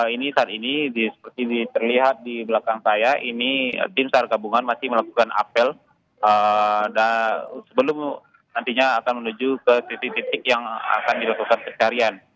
ini saat ini seperti terlihat di belakang saya ini tim sar gabungan masih melakukan apel sebelum nantinya akan menuju ke titik titik yang akan dilakukan pencarian